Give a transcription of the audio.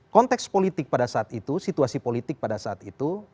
konteks politik pada saat itu situasi politik pada saat itu